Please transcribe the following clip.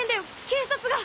警察が。